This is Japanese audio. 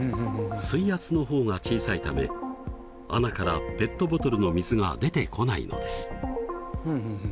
水圧の方が小さいため穴からペットボトルの水が出てこないのです。